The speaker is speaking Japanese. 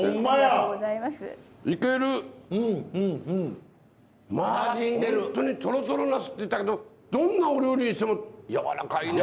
ホントにとろとろナスって言ったけどどんなお料理にしてもやわらかいね。